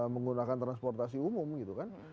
menggunakan transportasi umum gitu kan